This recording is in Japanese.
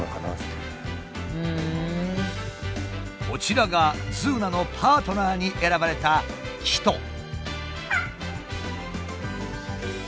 こちらがズーナのパートナーに選ばれたキト。